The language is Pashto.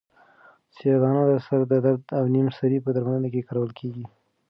سیاه دانه د سر د درد او نیم سری په درملنه کې کارول کیږي.